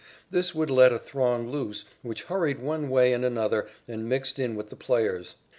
This would let a throng loose which hurried one way and another and mixed in with the players.